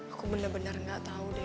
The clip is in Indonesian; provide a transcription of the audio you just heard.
aku bener bener gak tau deh